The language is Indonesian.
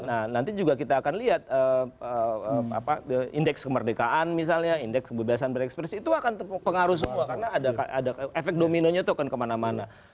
nah nanti juga kita akan lihat indeks kemerdekaan misalnya indeks kebebasan berekspresi itu akan pengaruh semua karena ada efek dominonya itu akan kemana mana